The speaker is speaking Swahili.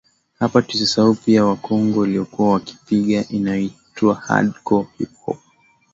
Hapa tusisahau pia wakongwe waliokuwa wakipiga ianyoitwa Hard Core HipHop